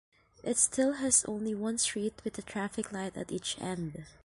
It still has only one street with a traffic light at each end.